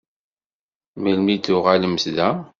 Melmi i d-tuɣalemt da?